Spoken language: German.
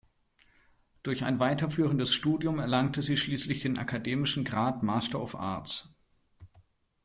Durch ein weiterführendes Studium erlangte sie schließlich den akademischen Grad "Master of Arts".